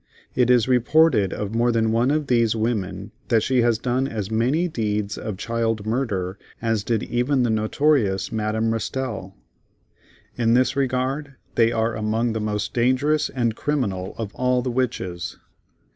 It is reported of more than one of these women that she has done as many deeds of child murder as did even the notorious Madame Restell. In this regard, they are among the most dangerous and criminal of all the Witches.